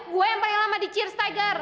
gue yang paling lama di cheers tiger